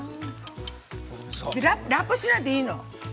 ◆ラップしないでいいの。